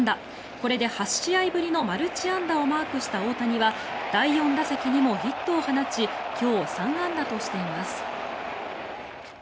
これで８試合ぶりのマルチ安打をマークした大谷は第４打席にもヒットを放ち今日３安打としています。